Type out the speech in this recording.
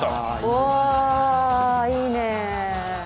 おいいね。